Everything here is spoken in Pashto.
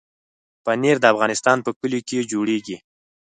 پنېر د افغانستان په کلیو کې جوړېږي.